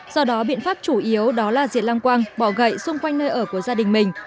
do đó biện pháp chủ yếu đó là giết lăng quang bò gầy xung quanh nơi ở của gia đình mình